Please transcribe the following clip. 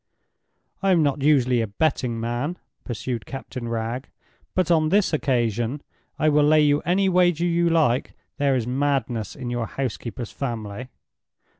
"I am not usually a betting man," pursued Captain Wragge. "But on this occasion I will lay you any wager you like there is madness in your housekeeper's family."